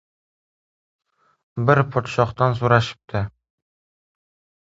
Bir podshohdan so‘rashibdi: